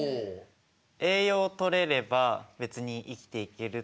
栄養とれれば別に生きていける。